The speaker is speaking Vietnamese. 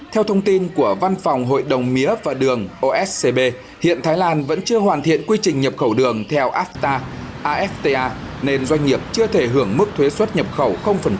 theo thông tin của văn phòng hội đồng oscp hiện thái lan vẫn chưa hoàn thiện quy trình nhập khẩu đường theo afta nên doanh nghiệp chưa thể hưởng mức thuế suất nhập khẩu